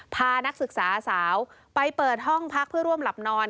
พานักศึกษาสาวไปเปิดห้องพักเพื่อร่วมหลับนอน